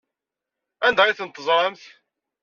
Anda ay tent-teẓramt?